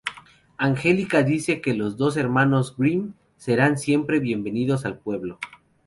Angelica dice que los dos hermanos Grimm serán siempre bienvenidos al pueblo.